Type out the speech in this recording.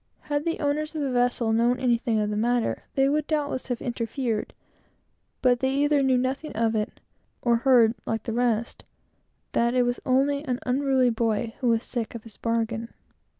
Had the owners of the vessel known anything of the matter, they would have interfered at once; but they either knew nothing of it, or heard, like the rest, that it was only an unruly boy who was sick of his bargain.